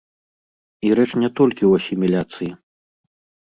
І рэч не толькі ў асіміляцыі.